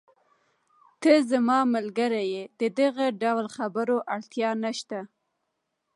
ته زما ملګری یې، د دغه ډول خبرو اړتیا نشته.